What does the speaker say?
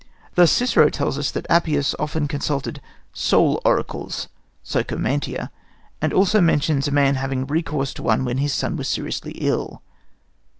Thus, Cicero tells us that Appius often consulted "soul oracles" (psychomantia), and also mentions a man having recourse to one when his son was seriously ill.